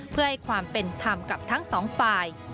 เพื่อให้ความเป็นธรรมกับทั้งสองฝ่าย